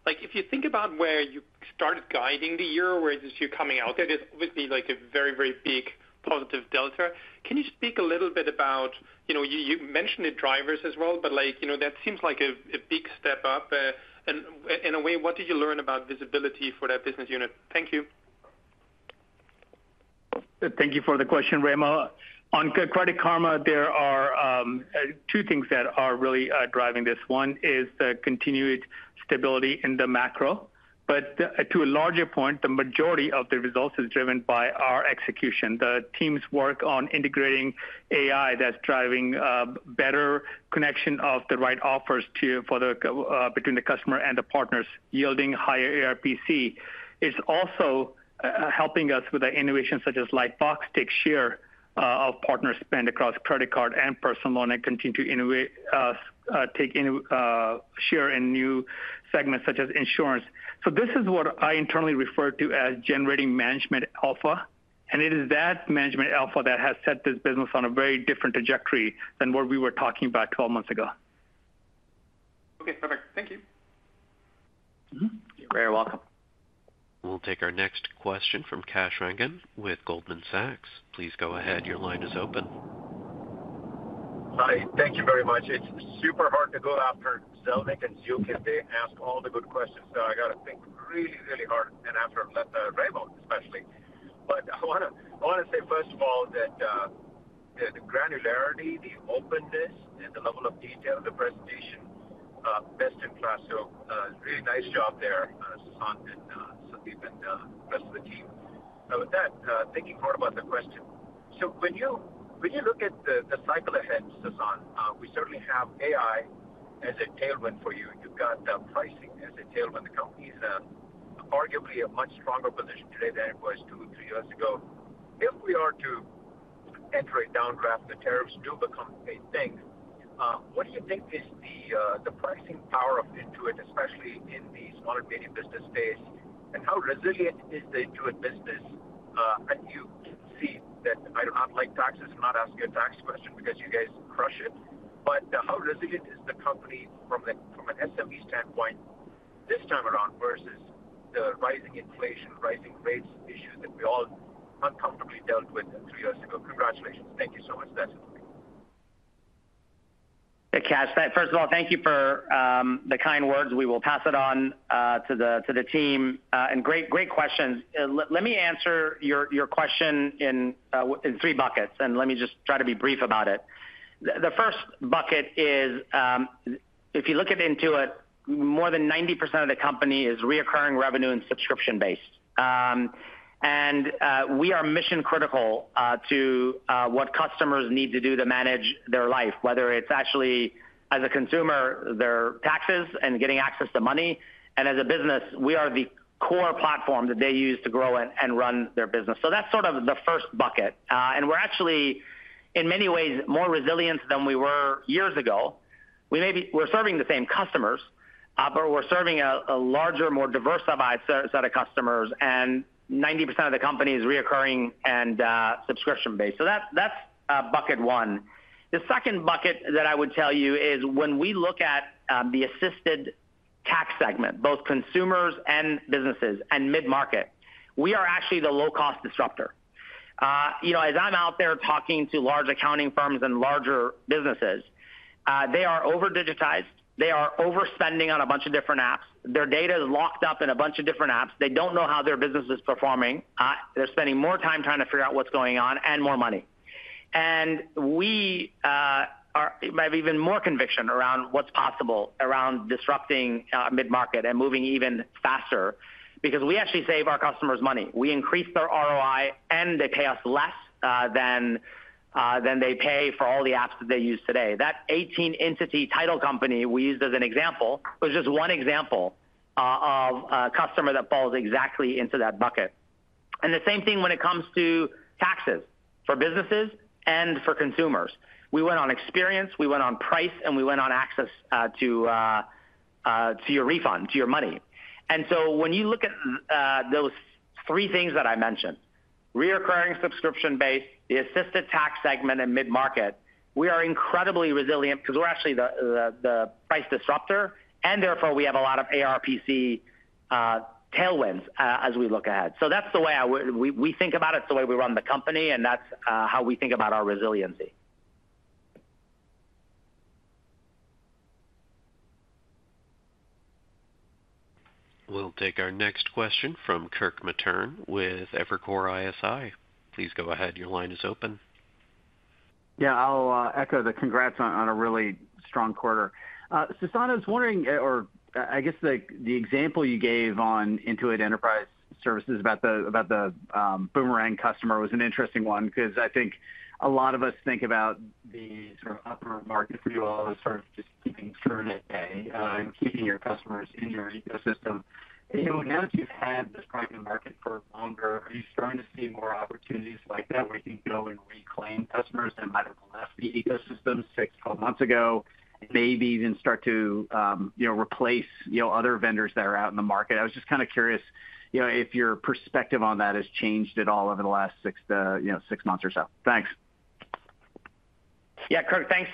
If you think about where you started guiding the year, where this year coming out, there's obviously a very, very big positive delta. Can you speak a little bit about you mentioned the drivers as well, but that seems like a big step up. In a way, what did you learn about visibility for that business unit? Thank you. Thank you for the question, Raimo. On Credit Karma, there are two things that are really driving this. One is the continued stability in the macro. To a larger point, the majority of the results is driven by our execution. The team's work on integrating AI that's driving better connection of the right offers between the customer and the partners, yielding higher ERPC. It's also helping us with the innovation such as Lightbox takes share of partner spend across credit card and personal loan and continues to take share in new segments such as insurance. This is what I internally refer to as generating management alpha. It is that management alpha that has set this business on a very different trajectory than what we were talking about 12 months ago. Okay, perfect. Thank you. You're very welcome. We'll take our next question from Kash Rangan with Goldman Sachs. Please go ahead. Your line is open. Hi. Thank you very much. It's super hard to go after Zelnick and Zukin. They ask all the good questions. I got to think really, really hard and ask for Raimo, especially. I want to say, first of all, that the granularity, the openness, and the level of detail in the presentation, best in class. Really nice job there, Sasan and Sandeep and the rest of the team. With that, thinking hard about the question. When you look at the cycle ahead, Sasan, we certainly have AI as a tailwind for you. You've got pricing as a tailwind. The company is arguably in a much stronger position today than it was two or three years ago. If we are to enter a downgrade, the tariffs do become a thing. What do you think is the pricing power of Intuit, especially in the small and medium business space? How resilient is the Intuit business? You can see that I do not like taxes. I am not asking a tax question because you guys crush it. How resilient is the company from an SME standpoint this time around versus the rising inflation, rising rates issue that we all uncomfortably dealt with three years ago? Congratulations. Thank you so much. That is it for me. Kash, first of all, thank you for the kind words. We will pass it on to the team. Great questions. Let me answer your question in three buckets, and let me just try to be brief about it. The first bucket is, if you look at Intuit, more than 90% of the company is recurring revenue and subscription-based. We are mission-critical to what customers need to do to manage their life, whether it's actually as a consumer, their taxes, and getting access to money. As a business, we are the core platform that they use to grow and run their business. That's sort of the first bucket. We're actually, in many ways, more resilient than we were years ago. We're serving the same customers, but we're serving a larger, more diversified set of customers, and 90% of the company is recurring and subscription-based. That's bucket one. The second bucket that I would tell you is when we look at the assisted tax segment, both consumers and businesses and mid-market, we are actually the low-cost disruptor. As I'm out there talking to large accounting firms and larger businesses, they are over-digitized. They are overspending on a bunch of different apps. Their data is locked up in a bunch of different apps. They do not know how their business is performing. They are spending more time trying to figure out what is going on and more money. We have even more conviction around what is possible around disrupting mid-market and moving even faster because we actually save our customers money. We increase their ROI, and they pay us less than they pay for all the apps that they use today. That 18-entity title company we used as an example was just one example of a customer that falls exactly into that bucket. The same thing when it comes to taxes for businesses and for consumers. We win on experience. We win on price, and we win on access to your refund, to your money. When you look at those three things that I mentioned, reoccurring subscription-based, the assisted tax segment, and mid-market, we are incredibly resilient because we're actually the price disruptor, and therefore we have a lot of ARPC tailwinds as we look ahead. That is the way we think about it. It is the way we run the company, and that is how we think about our resiliency. We'll take our next question from Kirk Materne with Evercore ISI. Please go ahead. Your line is open. Yeah, I'll echo the congrats on a really strong quarter. Sasan, I was wondering, or I guess the example you gave on Intuit Enterprise Suite about the Boomerang customer was an interesting one because I think a lot of us think about the sort of upper market for you all as sort of just keeping through the day and keeping your customers in your ecosystem. Now that you've had this private market for longer, are you starting to see more opportunities like that where you can go and reclaim customers that might have left the ecosystem six, twelve months ago, maybe even start to replace other vendors that are out in the market? I was just kind of curious if your perspective on that has changed at all over the last six months or so. Thanks. Yeah, Kirk, thanks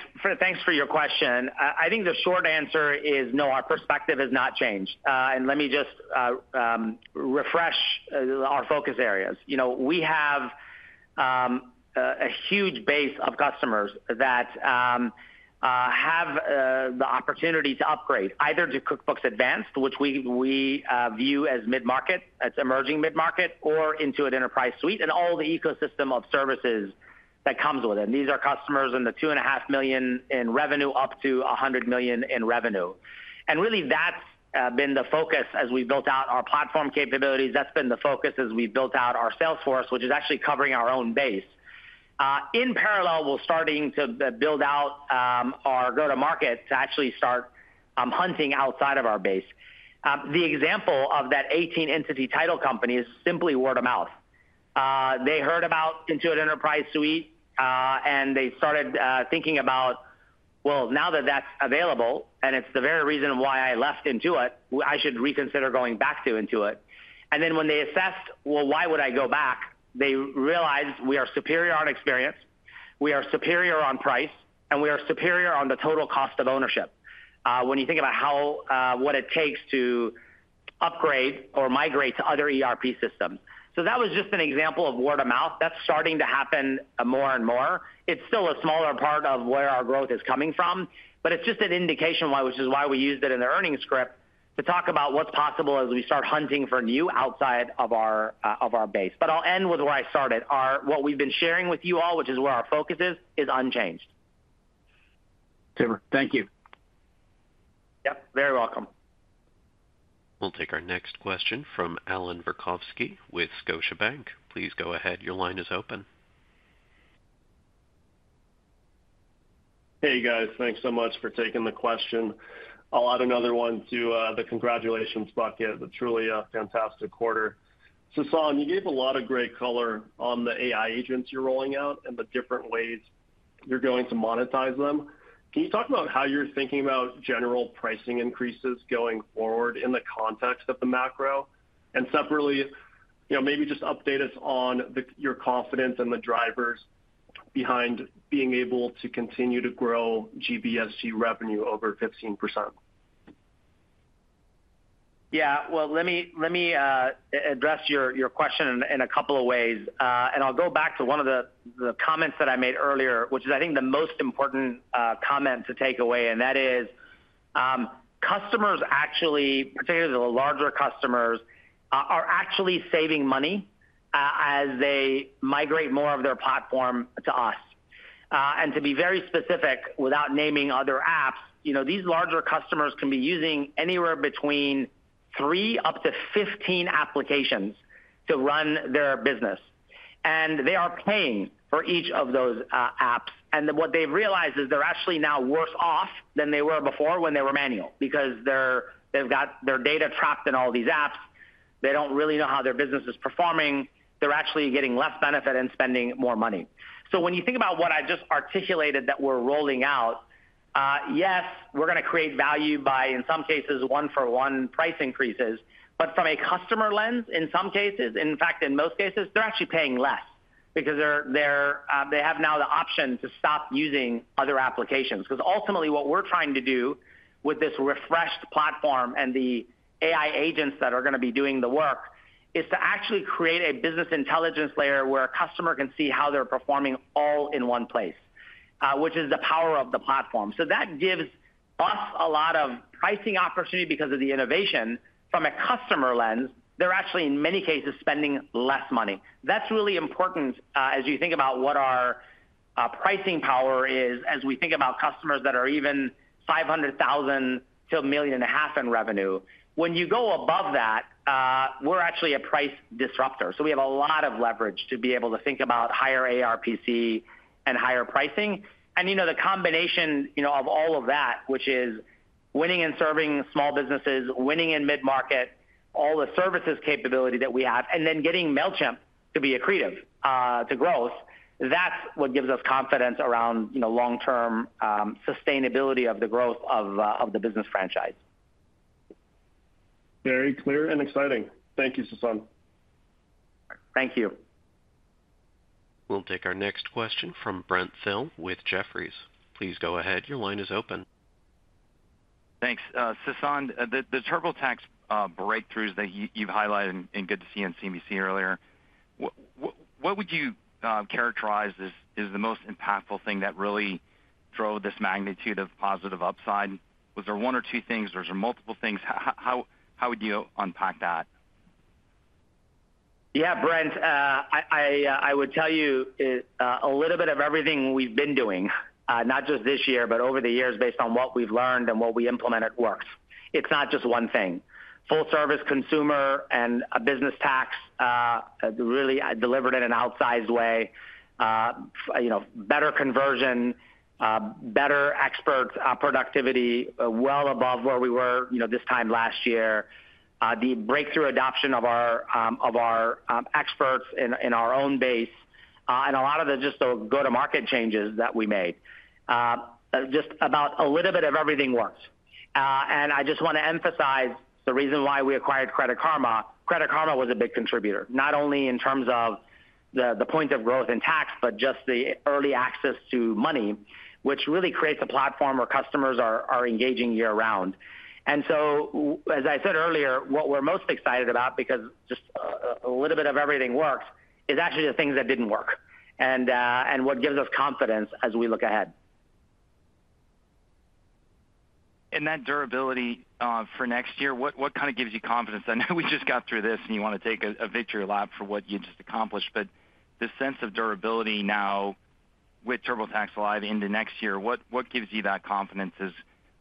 for your question. I think the short answer is no, our perspective has not changed. Let me just refresh our focus areas. We have a huge base of customers that have the opportunity to upgrade either to QuickBooks Advanced, which we view as mid-market, that's emerging mid-market, or Intuit Enterprise Suite, and all the ecosystem of services that comes with it. These are customers in the $2.5 million in revenue up to $100 million in revenue. Really, that's been the focus as we built out our platform capabilities. That's been the focus as we built out our Salesforce, which is actually covering our own base. In parallel, we're starting to build out our go-to-market to actually start hunting outside of our base. The example of that 18-entity title company is simply word of mouth. They heard about Intuit Enterprise Suite, and they started thinking about, "Well, now that that's available and it's the very reason why I left Intuit, I should reconsider going back to Intuit." When they assessed, "Well, why would I go back?" they realized we are superior on experience, we are superior on price, and we are superior on the total cost of ownership when you think about what it takes to upgrade or migrate to other ERP systems. That was just an example of word of mouth. That's starting to happen more and more. It's still a smaller part of where our growth is coming from, but it's just an indication why, which is why we used it in the earnings script to talk about what's possible as we start hunting for new outside of our base. I'll end with where I started, what we've been sharing with you all, which is where our focus is, is unchanged. Thank you. Yep, very welcome. We'll take our next question from Allan Verkhovski with Scotiabank. Please go ahead. Your line is open. Hey, guys. Thanks so much for taking the question. I'll add another one to the congratulations bucket. It's truly a fantastic quarter. Sasan, you gave a lot of great color on the AI agents you're rolling out and the different ways you're going to monetize them. Can you talk about how you're thinking about general pricing increases going forward in the context of the macro? And separately, maybe just update us on your confidence and the drivers behind being able to continue to grow GBSG revenue over 15%. Yeah, let me address your question in a couple of ways. I'll go back to one of the comments that I made earlier, which is, I think, the most important comment to take away. That is, customers actually, particularly the larger customers, are actually saving money as they migrate more of their platform to us. To be very specific, without naming other apps, these larger customers can be using anywhere between three up to 15 applications to run their business. They are paying for each of those apps. What they've realized is they're actually now worse off than they were before when they were manual because they've got their data trapped in all these apps. They do not really know how their business is performing. They're actually getting less benefit and spending more money. When you think about what I just articulated that we're rolling out, yes, we're going to create value by, in some cases, one-for-one price increases. From a customer lens, in some cases, in fact, in most cases, they're actually paying less because they have now the option to stop using other applications. Ultimately, what we're trying to do with this refreshed platform and the AI agents that are going to be doing the work is to actually create a business intelligence layer where a customer can see how they're performing all in one place, which is the power of the platform. That gives us a lot of pricing opportunity because of the innovation. From a customer lens, they're actually, in many cases, spending less money. That's really important as you think about what our pricing power is as we think about customers that are even $500,000 to $1.5 million in revenue. When you go above that, we're actually a price disruptor. We have a lot of leverage to be able to think about higher ARPC and higher pricing. The combination of all of that, which is winning and serving small businesses, winning in mid-market, all the services capability that we have, and then getting Mailchimp to be accretive to growth, that's what gives us confidence around long-term sustainability of the growth of the business franchise. Very clear and exciting. Thank you, Sasan. Thank you. We'll take our next question from Brent Thill with Jefferies. Please go ahead. Your line is open. Thanks. Sasan, the TurboTax breakthroughs that you've highlighted and good to see in CBC earlier, what would you characterize as the most impactful thing that really drove this magnitude of positive upside? Was there one or two things? Was there multiple things? How would you unpack that? Yeah, Brent, I would tell you a little bit of everything we've been doing, not just this year, but over the years based on what we've learned and what we implemented works. It's not just one thing. Full-service consumer and a business tax really delivered in an outsized way. Better conversion, better expert productivity, well above where we were this time last year. The breakthrough adoption of our experts in our own base, and a lot of the just go-to-market changes that we made. Just about a little bit of everything works. I just want to emphasize the reason why we acquired Credit Karma. Credit Karma was a big contributor, not only in terms of the point of growth in tax, but just the early access to money, which really creates a platform where customers are engaging year-round. As I said earlier, what we are most excited about because just a little bit of everything works is actually the things that did not work and what gives us confidence as we look ahead. That durability for next year, what kind of gives you confidence? I know we just got through this and you want to take a victory lap for what you just accomplished, but the sense of durability now with TurboTax Live into next year, what gives you that confidence?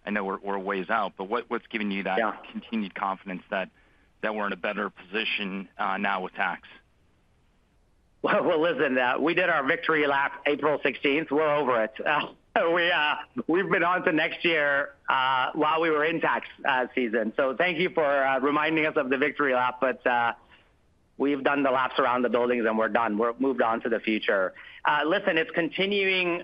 I know we're a ways out, but what's giving you that continued confidence that we're in a better position now with tax? Listen, we did our victory lap April 16th. We're over it. We've been on to next year while we were in tax season. Thank you for reminding us of the victory lap, but we've done the laps around the buildings and we're done. We've moved on to the future. Listen, it's continuing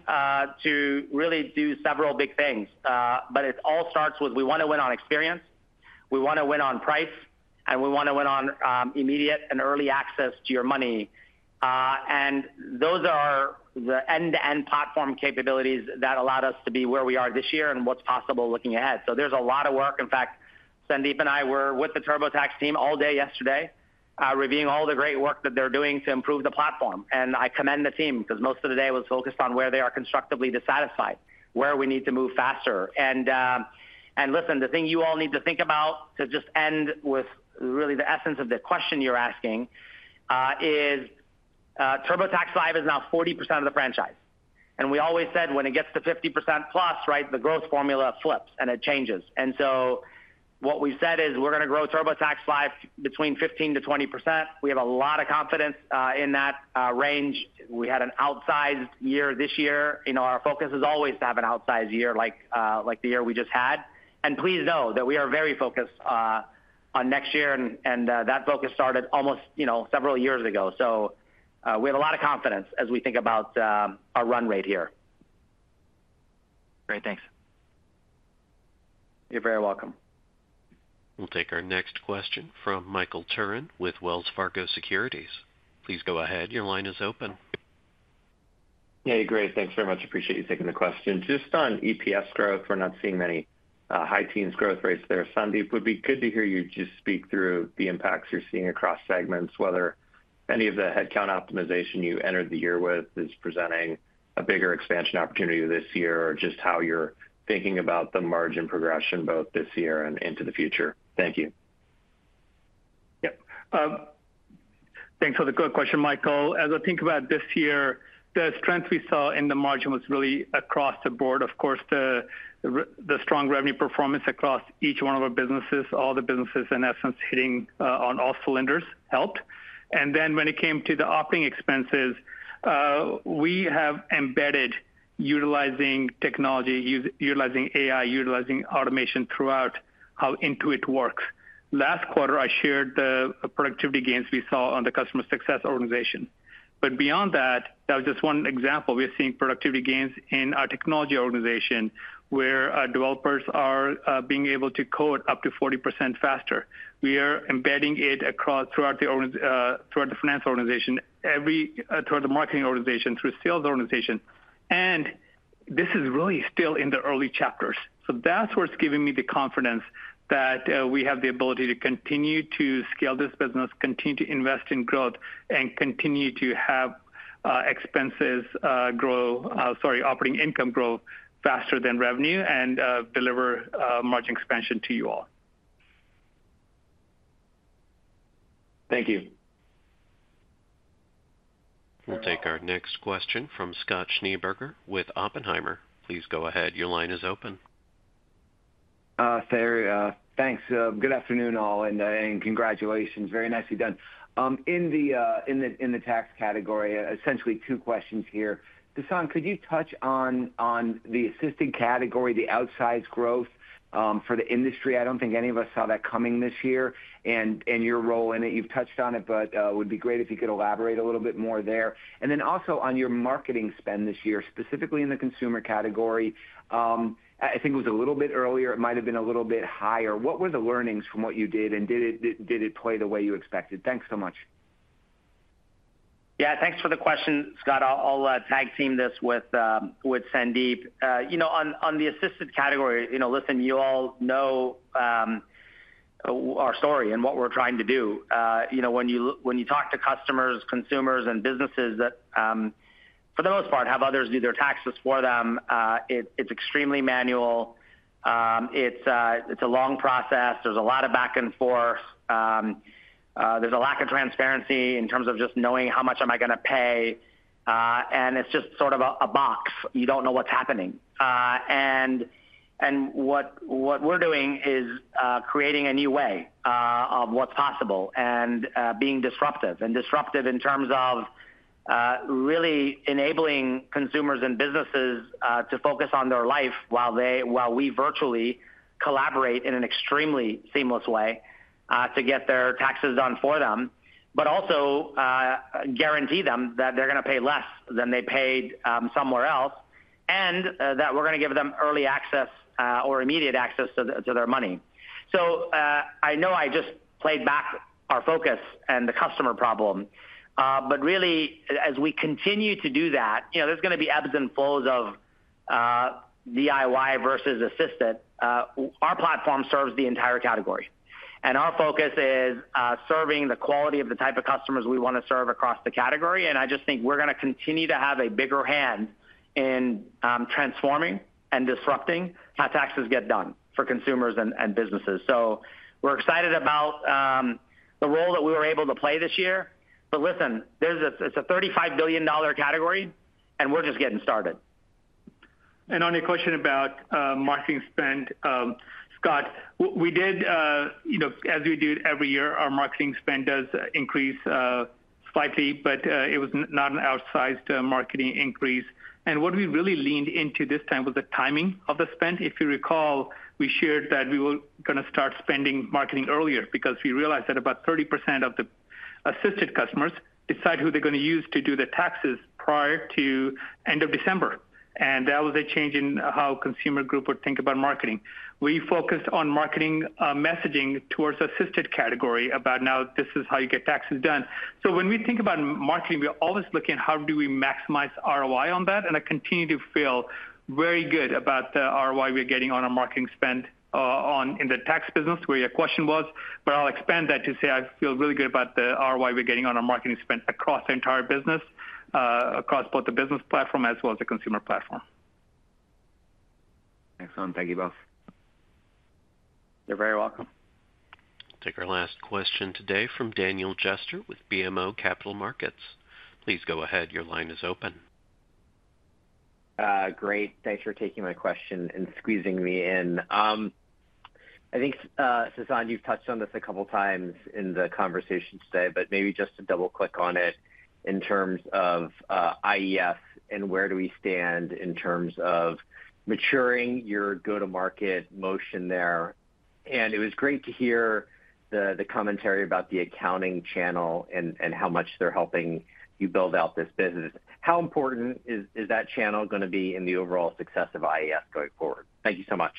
to really do several big things, but it all starts with we want to win on experience, we want to win on price, and we want to win on immediate and early access to your money. Those are the end-to-end platform capabilities that allowed us to be where we are this year and what's possible looking ahead. There's a lot of work. In fact, Sandeep and I were with the TurboTax team all day yesterday reviewing all the great work that they're doing to improve the platform. I commend the team because most of the day was focused on where they are constructively dissatisfied, where we need to move faster. Listen, the thing you all need to think about to just end with really the essence of the question you're asking is TurboTax Live is now 40% of the franchise. We always said when it gets to 50% plus, right, the growth formula flips and it changes. What we've said is we're going to grow TurboTax Live between 15%-20%. We have a lot of confidence in that range. We had an outsized year this year. Our focus is always to have an outsized year like the year we just had. Please know that we are very focused on next year, and that focus started almost several years ago. We have a lot of confidence as we think about our run rate here. Great. Thanks. You're very welcome. We'll take our next question from Michael Turrin with Wells Fargo Securities. Please go ahead. Your line is open. Hey, great. Thanks very much. Appreciate you taking the question. Just on EPS growth, we're not seeing many high teens growth rates there. Sandeep, it would be good to hear you just speak through the impacts you're seeing across segments, whether any of the headcount optimization you entered the year with is presenting a bigger expansion opportunity this year or just how you're thinking about the margin progression both this year and into the future. Thank you. Yep. Thanks for the quick question, Michael. As I think about this year, the strength we saw in the margin was really across the board. Of course, the strong revenue performance across each one of our businesses, all the businesses in essence hitting on all cylinders helped. When it came to the operating expenses, we have embedded utilizing technology, utilizing AI, utilizing automation throughout how Intuit works. Last quarter, I shared the productivity gains we saw on the customer success organization. Beyond that, that was just one example. We are seeing productivity gains in our technology organization where developers are being able to code up to 40% faster. We are embedding it throughout the finance organization, throughout the marketing organization, through sales organization. This is really still in the early chapters. That's what's giving me the confidence that we have the ability to continue to scale this business, continue to invest in growth, and continue to have expenses grow, sorry, operating income grow faster than revenue and deliver margin expansion to you all. Thank you. We'll take our next question from Scott Schneeberger with Oppenheimer. Please go ahead. Your line is open. Thanks. Good afternoon, all, and congratulations. Very nicely done. In the tax category, essentially two questions here. Sasan, could you touch on the assisted category, the outsized growth for the industry? I don't think any of us saw that coming this year. And your role in it, you've touched on it, but it would be great if you could elaborate a little bit more there. On your marketing spend this year, specifically in the consumer category, I think it was a little bit earlier, it might have been a little bit higher. What were the learnings from what you did, and did it play the way you expected? Thanks so much. Yeah, thanks for the question, Scott. I'll tag team this with Sandeep. On the assisted category, listen, you all know our story and what we're trying to do. When you talk to customers, consumers, and businesses that, for the most part, have others do their taxes for them, it's extremely manual. It's a long process. There's a lot of back and forth. There's a lack of transparency in terms of just knowing how much am I going to pay. It's just sort of a box. You don't know what's happening. What we are doing is creating a new way of what is possible and being disruptive. Disruptive in terms of really enabling consumers and businesses to focus on their life while we virtually collaborate in an extremely seamless way to get their taxes done for them, but also guarantee them that they are going to pay less than they paid somewhere else and that we are going to give them early access or immediate access to their money. I know I just played back our focus and the customer problem, but really, as we continue to do that, there are going to be ebbs and flows of DIY versus assisted. Our platform serves the entire category. Our focus is serving the quality of the type of customers we want to serve across the category. I just think we're going to continue to have a bigger hand in transforming and disrupting how taxes get done for consumers and businesses. We're excited about the role that we were able to play this year. It is a $35 billion category, and we're just getting started. On your question about marketing spend, Scott, we did, as we do every year, our marketing spend does increase slightly, but it was not an outsized marketing increase. What we really leaned into this time was the timing of the spend. If you recall, we shared that we were going to start spending marketing earlier because we realized that about 30% of the assisted customers decide who they're going to use to do the taxes prior to the end of December. That was a change in how consumer groups would think about marketing. We focused on marketing messaging towards the assisted category about now this is how you get taxes done. When we think about marketing, we're always looking at how do we maximize ROI on that. I continue to feel very good about the ROI we're getting on our marketing spend in the tax business, where your question was, but I'll expand that to say I feel really good about the ROI we're getting on our marketing spend across the entire business, across both the business platform as well as the consumer platform. Excellent. Thank you both. You're very welcome. We'll take our last question today from Daniel Jester with BMO Capital Markets. Please go ahead. Your line is open. Great. Thanks for taking my question and squeezing me in. I think, Sasan, you've touched on this a couple of times in the conversation today, but maybe just to double-click on it in terms of IEF and where do we stand in terms of maturing your go-to-market motion there. It was great to hear the commentary about the accounting channel and how much they're helping you build out this business. How important is that channel going to be in the overall success of IEF going forward? Thank you so much.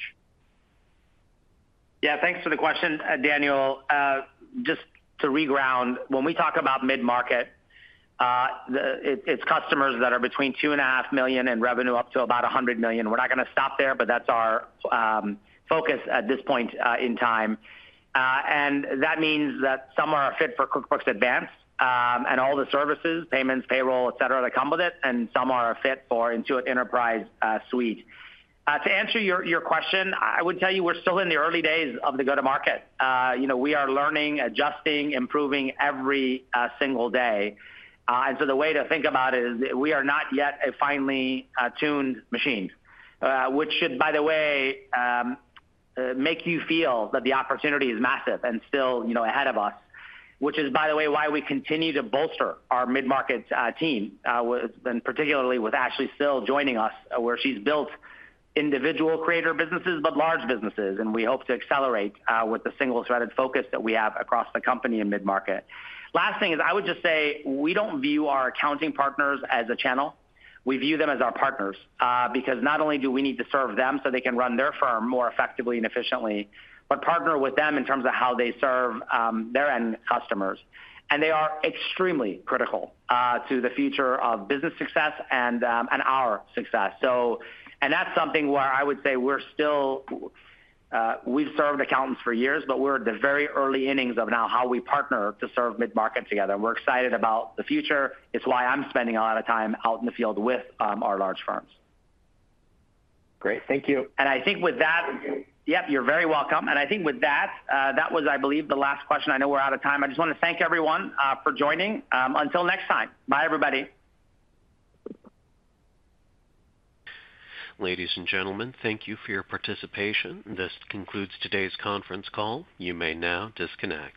Yeah, thanks for the question, Daniel. Just to reground, when we talk about mid-market, it's customers that are between $2.5 million and revenue up to about $100 million. We're not going to stop there, but that's our focus at this point in time. That means that some are fit for QuickBooks Advanced and all the services, payments, payroll, etc., that come with it, and some are fit for Intuit Enterprise Suite. To answer your question, I would tell you we're still in the early days of the go-to-market. We are learning, adjusting, improving every single day. The way to think about it is we are not yet a finely tuned machine, which should, by the way, make you feel that the opportunity is massive and still ahead of us, which is, by the way, why we continue to bolster our mid-market team, and particularly with Ashley Still joining us, where she's built individual creator businesses, but large businesses. We hope to accelerate with the single-threaded focus that we have across the company in mid-market. Last thing is I would just say we do not view our accounting partners as a channel. We view them as our partners because not only do we need to serve them so they can run their firm more effectively and efficiently, but partner with them in terms of how they serve their end customers. They are extremely critical to the future of business success and our success. That is something where I would say we have served accountants for years, but we are at the very early innings of now how we partner to serve mid-market together. We are excited about the future. It is why I am spending a lot of time out in the field with our large firms. Great. Thank you. I think with that, yep, you are very welcome. I think with that, that was, I believe, the last question. I know we are out of time. I just want to thank everyone for joining. Until next time. Bye, everybody. Ladies and gentlemen, thank you for your participation. This concludes today's conference call. You may now disconnect.